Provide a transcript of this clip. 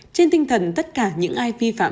trên tinh thần tất cả những ai vi phạm